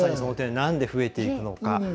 なんで増えていくのか。